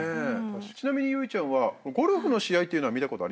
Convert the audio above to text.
ちなみに有以ちゃんはゴルフの試合というのは見たことありますか？